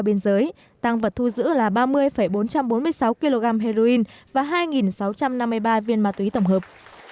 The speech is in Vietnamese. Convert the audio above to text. biên giới tăng vật thu giữ là ba mươi bốn trăm bốn mươi sáu kg heroin và hai sáu trăm năm mươi ba viên ma túy tổng hợp